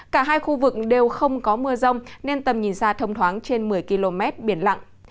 cả hai khu vực đều không có mưa rông nên tầm nhìn xa thông thoáng trên một mươi km biển lặng